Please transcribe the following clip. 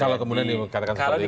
kalau kemudian dikatakan seperti itu